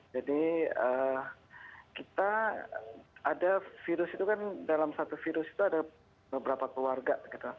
jadi kita ada virus itu kan dalam satu virus itu ada beberapa keluarga